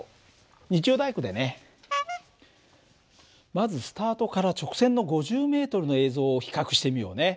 まずスタートから直線の５０ｍの映像を比較してみようね。